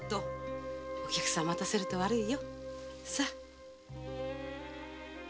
お客さん待たせると悪いよ。